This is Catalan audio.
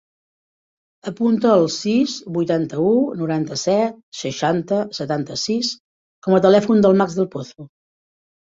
Apunta el sis, vuitanta-u, noranta-set, seixanta, setanta-sis com a telèfon del Max Del Pozo.